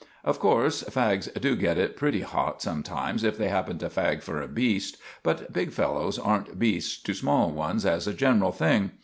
Of corse, fags do get it pretty hot sometimes if they happen to fag for a beast, but big fellows aren't beasts to small ones as a general thing.